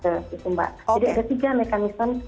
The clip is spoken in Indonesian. jadi ada tiga mekanisme